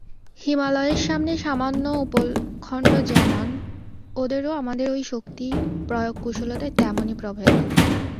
হিমালয়ের সামনে সামান্য উপলখণ্ড যেমন, ওদের ও আমাদের ঐ শক্তি- প্রয়োগকুশলতায় তেমনি প্রভেদ।